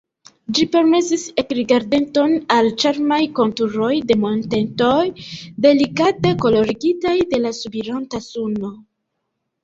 Ĝi permesis ekrigardeton al ĉarmaj konturoj de montetoj, delikate kolorigitaj de la subiranta suno.